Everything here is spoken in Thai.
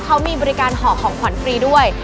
เขามีบริการห่อของขวัญฟรีด้วย